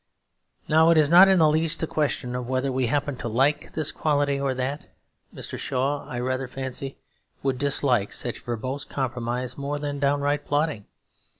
Now, it is not in the least a question of whether we happen to like this quality or that: Mr. Shaw, I rather fancy, would dislike such verbose compromise more than downright plotting.